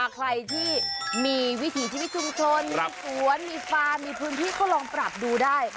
ใครที่มีวิถีชีวิตชุมชนมีสวนมีฟาร์มมีพื้นที่ก็ลองปรับดูได้